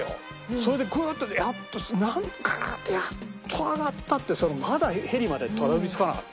それでこうやってやっと何回かでやっと上がったってまだヘリまでたどり着かない。